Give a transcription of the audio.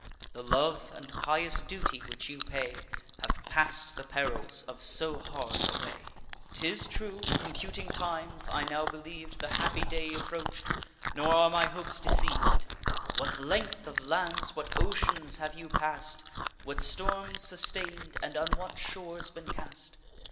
The love and pious duty which you pay Have pass'd the perils of so hard a way. 'Tis true, computing times, I now believ'd The happy day approach'd; nor are my hopes deceiv'd. What length of lands, what oceans have you pass'd; What storms sustain'd, and on what shores been cast?